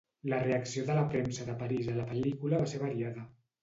La reacció de la premsa de París a la pel·lícula va ser variada.